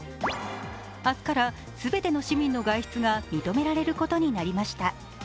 明日から全ての市民の外出が認められることになりました。